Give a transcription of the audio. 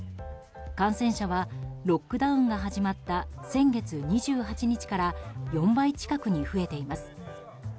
感染者はロックダウンが始まった先月２８日から４倍近くに増えています。